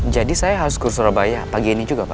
jadi saya harus ke surabaya pagi ini juga pak